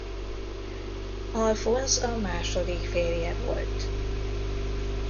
Alfonz a második férje volt.